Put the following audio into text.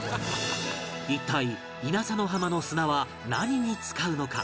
一体稲佐の浜の砂は何に使うのか？